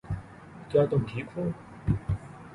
کیا تم ٹھیک ہو